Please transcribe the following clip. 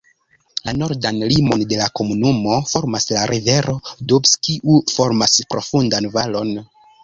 La nordan limon de la komunumo formas la rivero Doubs, kiu formas profundan valon.